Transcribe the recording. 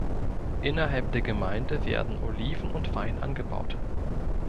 Innerhalb der Gemeinde werden Oliven und Wein angebaut.